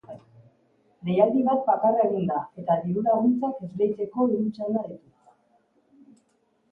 Deialdi bat bakarra egin da, eta dirulaguntzak esleitzeko hiru txanda ditu.